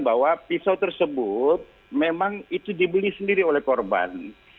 bahwa pisau tersebut memang itu dibeli sendiri oleh korban